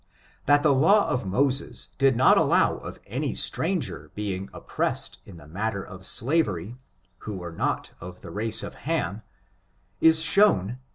That the law of Moses did not allow of any stranger being oppressed in the matter of slavery, who were not of the race of Ham, is shown.